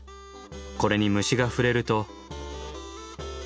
これに虫が触れると。